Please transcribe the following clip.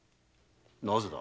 なぜだ。